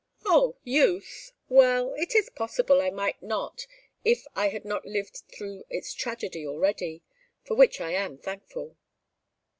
"Oh youth! Well it is possible I might not if I had not lived through its tragedy already for which I am thankful."